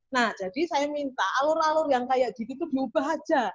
nah jadi saya minta alur alur yang kayak gitu itu diubah aja